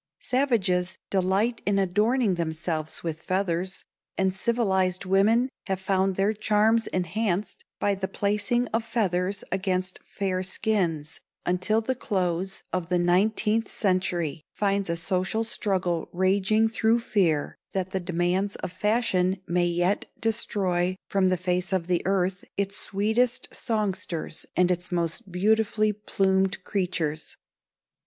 Savages delight in adorning themselves with feathers, and civilized women have found their charms enhanced by the placing of feathers against fair skins until the close of the nineteenth century finds a social struggle raging through fear that the demands of fashion may yet destroy from the face of the earth its sweetest songsters and its most beautifully plumed creatures.